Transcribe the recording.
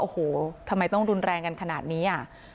โอ้โหทำไมต้องรุนแรงกันขนาดนี้อ่ะ